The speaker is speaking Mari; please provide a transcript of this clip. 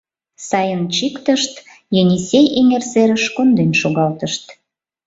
Сайын чиктышт, Енисей эҥер серыш конден шогалтышт.